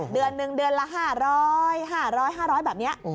เดือนหนึ่งเดือนละ๕๐๐๕๐๐๕๐๐แบบนี้